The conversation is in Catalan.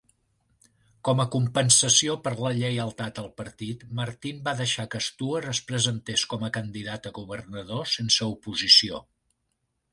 Com a compensació per la lleialtat al partit, Martin va deixar que Stuart es presentés com a candidat a governador sense oposició.